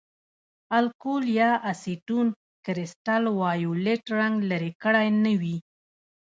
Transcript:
الکول یا اسیټون کرسټل وایولېټ رنګ لرې کړی نه وي.